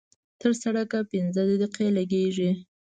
تر سړکه پينځه دقيقې لګېږي.